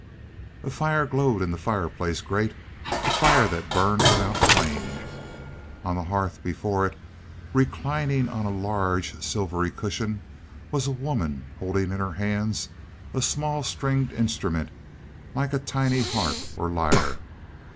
A fire glowed in the fireplace grate a fire that burned without flame. On the hearth before it, reclining on large silvery cushions, was a woman holding in her hands a small stringed instrument like a tiny harp or lyre.